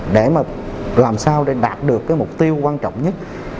để mà làm sao để đạt được cái mục tiêu quan trọng nhất